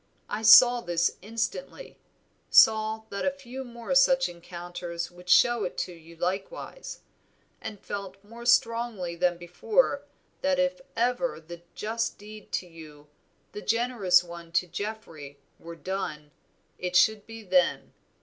I saw this instantly, saw that a few more such encounters would show it to you likewise, and felt more strongly than before that if ever the just deed to you, the generous one to Geoffrey were done, it should be then.